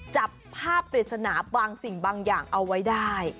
จับภาพปริศนาบางสิ่งบางอย่างเอาไว้ได้